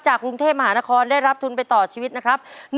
กรุงเทพมหานครได้รับทุนไปต่อชีวิตนะครับ